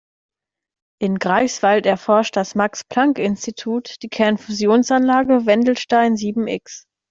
In Greifswald erforscht das Max-Planck-Institut die Kernfusionsanlage Wendelstein sieben-X.